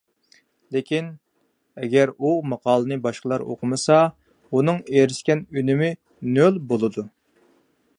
لېكىن، ئەگەر ئۇ ماقالىنى باشقىلار ئوقۇمىسا، ئۇنىڭ ئېرىشكەن ئۈنۈمى نۆل بولىدۇ.